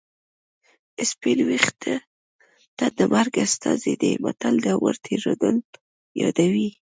سپین ویښته د مرګ استازی دی متل د عمر تېرېدل یادوي